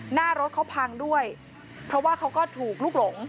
หน้ารถเขาพังด้วยเพราะว่าเขาก็ถูกลุกหลง